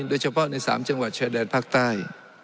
โดยเฉพาะใน๓จังหวัดชายแดนภาคใต้